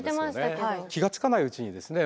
気が付かないうちにですね